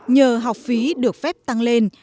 nhờ học phí được phép tăng lên